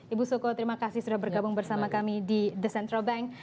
ibu suko terima kasih sudah bergabung bersama kami di the central bank